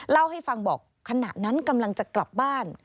เล่าให้ฟังบอกขณะนั้นกำลังจะกลับบ้าน